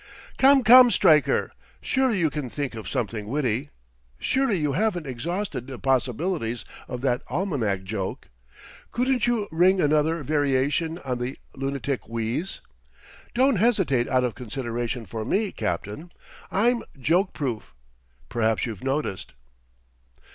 "Come, come, Stryker! Surely you can think of something witty, surely you haven't exhausted the possibilities of that almanac joke! Couldn't you ring another variation on the lunatic wheeze? Don't hesitate out of consideration for me, Captain; I'm joke proof perhaps you've noticed?"